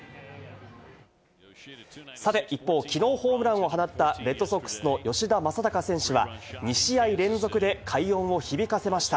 さて、一方、きのうホームランを放ったレッドソックスの吉田正尚選手は２試合連続で快音を響かせました。